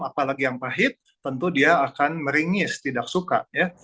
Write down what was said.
apalagi yang pahit tentu dia akan meringis tidak suka ya